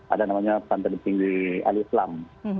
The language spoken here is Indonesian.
ada namanya stand trend singgi aliexlam